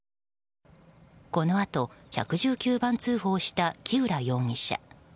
このあと１１９番通報した木浦容疑者。